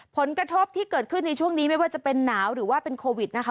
ผลกระทบที่เกิดขึ้นในช่วงนี้ไม่ว่าจะเป็นหนาวหรือว่าเป็นโควิดนะคะ